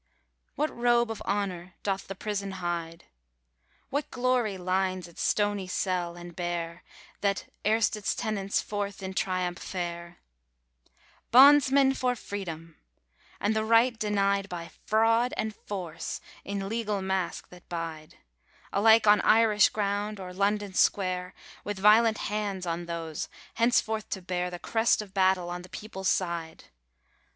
WHAT robe of honour doth the prison hide, What glory lines its stony cell and bare, That, erst its tenants, forth in triumph fare? Bondsmen for Freedom, and the right denied By fraud and force, in legal mask that bide, Alike on Irish ground, or London's square, With violent hands on those, henceforth to bear The crest of battle on the people's side.